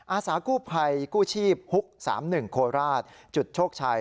อาสากู้ภัยกู้ชีพฮุก๓๑โคราชจุดโชคชัย